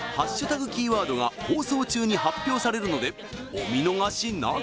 キーワードが放送中に発表されるのでお見逃しなく！